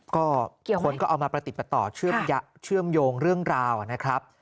ก็คนก็เอามาประติดประต่อเชื่อมโยงเรื่องราวนะครับ